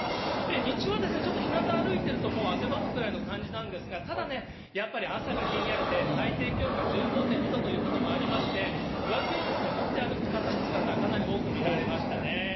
日中はちょっとひなた歩いていると、もう汗ばむくらいの感じなんですが、ただね、やっぱり朝がひんやりで最低気温が１５．２度ということもありまして、上着を持って歩く方の姿、かなり多く見られましたね。